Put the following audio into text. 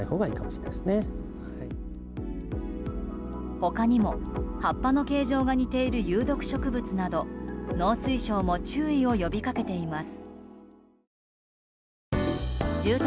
他にも、葉っぱの形状が似ている有毒植物など農水省も注意を呼びかけています。